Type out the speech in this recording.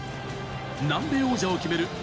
南米王者を決める